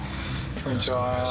こんにちは。